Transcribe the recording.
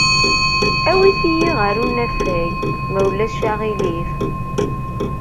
Awit-iyi ɣer unafag, ma ulac aɣilif.